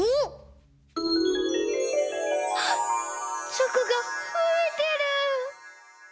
チョコがふえてる！